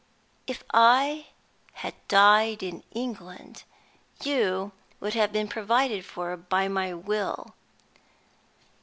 "If I had died in England, you would have been provided for by my will.